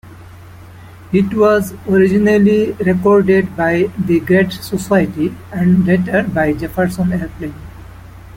It was originally recorded by The Great Society, and later by Jefferson Airplane.